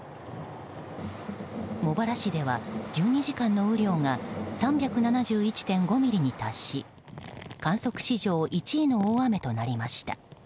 茂原市では１２時間の雨量が３７１．５ミリに達し観測史上１位の大雨となりました。